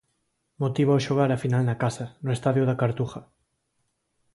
Motívaos xogar a final na casa, no estadio da Cartuja.